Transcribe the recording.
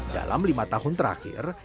dalam lima tahun terakhir